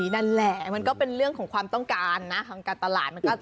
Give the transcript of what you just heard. นั่นแหละมันก็เป็นเรื่องของความต้องการนะความการตลาดมันก็จะมี